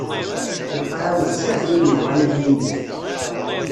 Lqaɛa wessiɛet win yebɣan ad yinig.